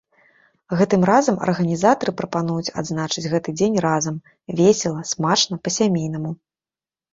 Гэтым разам арганізатары прапануюць адзначыць гэты дзень разам, весела, смачна, па-сямейнаму.